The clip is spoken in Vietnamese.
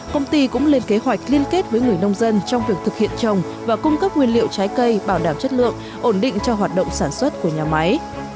công ty cũng lên kế hoạch liên kết với người nông dân trong việc thực hiện trồng và cung cấp nguyên liệu trái cây bảo đảm chất lượng ổn định cho hoạt động sản xuất của nhà máy